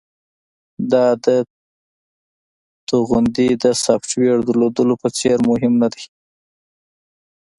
دا د توغندي د سافټویر درلودلو په څیر مهم ندی